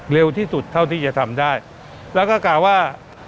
เร็วที่สุดเท่าที่จะทำได้แล้วก็กล่าวว่า